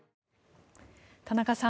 田中さん